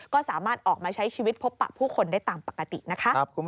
ก็สามารถออกมาใช้ชีวิตพบปะผู้คนได้ตามปกตินะคะ